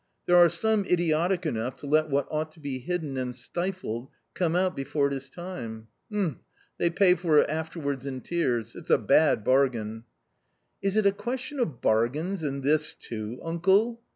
There are some idiotic enough to let what ought to be hidden and stilled come out before it is time — um! they pay for it afterwards in tears ; it's a bad bargain !"" Is it a question of bargains in this too, uncle